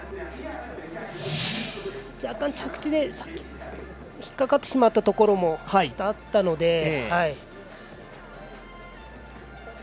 若干、着地で引っ掛かってしまったところもあったので。